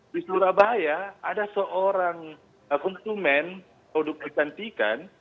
di surabaya ada seorang konsumen produk kecantikan